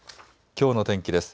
きょうの天気です。